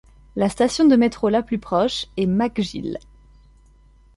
La station de métro la plus proche est McGill.